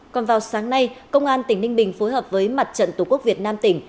còn vào sáng nay công an tỉnh ninh bình phối hợp với mặt trận tổ quốc việt nam tỉnh